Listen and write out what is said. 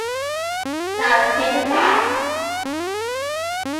Now came the test.